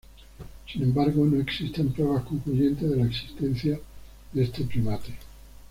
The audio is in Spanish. Sin embargo, no existen pruebas concluyentes de la existencia de este primate.